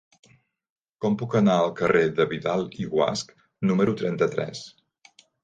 Com puc anar al carrer de Vidal i Guasch número trenta-tres?